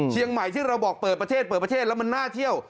เชียงใหม่ที่เราบอกเปิดประเทศแล้วมันน่าเที่ยว